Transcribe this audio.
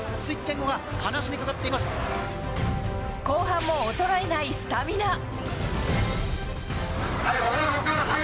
後半も衰えないスタミナ。